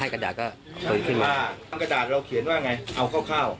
กระดาษเราเขียนว่าไงเอาเข้า